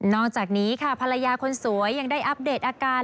อกจากนี้ค่ะภรรยาคนสวยยังได้อัปเดตอาการ